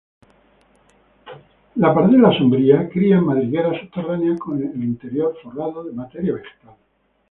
La pardela sombría cría en madrigueras subterráneas con el interior forrado de materia vegetal.